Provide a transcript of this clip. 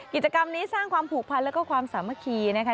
กิจกรรมนี้สร้างความผูกพันแล้วก็ความสามัคคีนะคะ